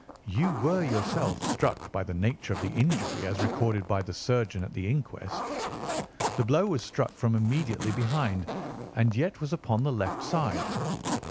"You were yourself struck by the nature of the injury as recorded by the surgeon at the inquest. The blow was struck from immediately behind, and yet was upon the left side.